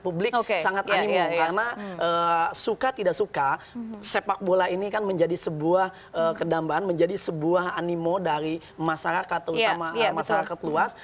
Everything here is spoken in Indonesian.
publik sangat animum karena suka tidak suka sepak bola ini kan menjadi sebuah kedambaan menjadi sebuah animo dari masyarakat terutama masyarakat luas